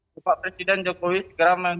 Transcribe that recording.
bapak presiden jokowi segera men